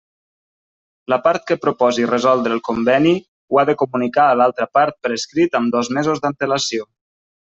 La part que proposi resoldre el Conveni ho ha de comunicar a l'altra part per escrit amb dos mesos d'antelació.